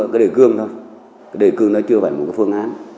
cái đề cương đó chưa phải một phương án